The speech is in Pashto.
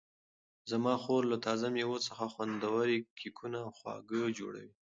زما خور له تازه مېوو څخه خوندورې کیکونه او خواږه جوړوي.